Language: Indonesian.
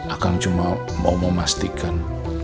akan cuma mau memastikan